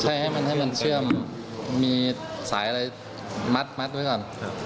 ใช่ให้มันให้มันเชื่อมมีสายอะไรมัดไว้ก่อน